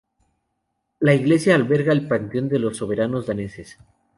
La iglesia alberga el panteón de los soberanos daneses.